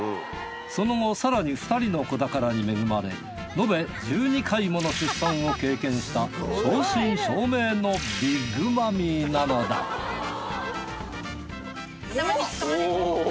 その後更に２人の子宝に恵まれのべ１２回もの出産を経験した正真正銘のビッグマミーなのだ頭につかまれ。